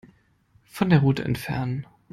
Von der Route entfernen.